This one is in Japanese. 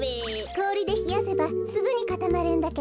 こおりでひやせばすぐにかたまるんだけど。